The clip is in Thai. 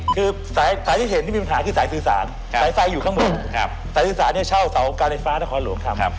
คือสายที่เห็นที่มีปัญหาคือสายสื่อสารสายไฟอยู่ข้างบนสายสื่อสารเนี่ยเช่าเสาการไฟฟ้านครหลวงทำ